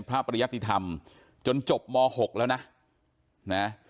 พระปริยติธรรมจนจบม๖แล้วนะนะ